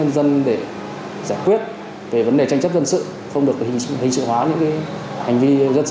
dân để giải quyết về vấn đề tranh chấp dân sự không được hình sự hóa những hành vi dân sự